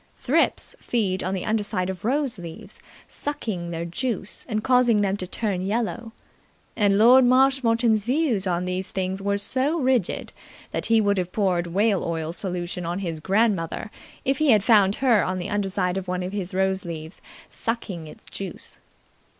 Thrips feed on the underside of rose leaves, sucking their juice and causing them to turn yellow; and Lord Marshmoreton's views on these things were so rigid that he would have poured whale oil solution on his grandmother if he had found her on the underside of one of his rose leaves sucking its juice.